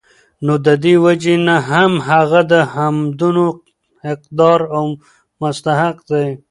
نو د دي وجي نه هم هغه د حمدونو حقدار او مستحق دی